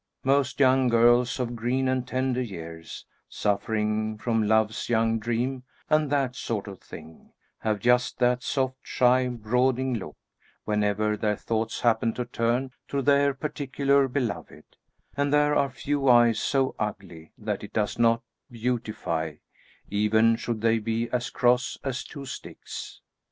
Most young girls of green and tender years, suffering from "Love's young dream," and that sort of thing, have just that soft, shy, brooding look, whenever their thoughts happen to turn to their particular beloved; and there are few eyes so ugly that it does not beautify, even should they be as cross as two sticks.